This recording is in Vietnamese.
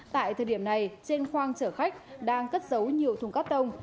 tại thời điểm này trên khoang chở khách đang cất giấu nhiều thùng cắt tông